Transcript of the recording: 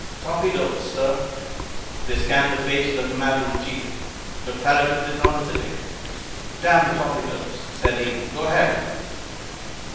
"Torpedoes, sir." They scanned the face of the commander in chief. But Farragut did not hesitate. "Damn the torpedoes," said he. "Go ahead."